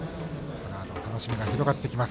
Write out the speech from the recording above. このあと楽しみが広がっていきます。